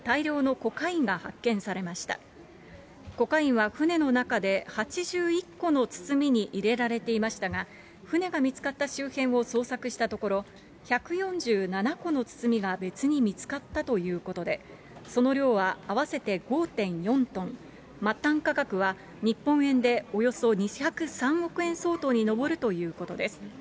コカインは船の中で８１個の包みに入れられていましたが、船が見つかった周辺を捜索したところ、１４７個の包みが別に見つかったということで、その量は、合わせて５．４トン、末端価格は日本円でおよそ２０３億円相当に上るということです。